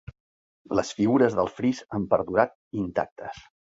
Les figures del fris han perdurat intactes.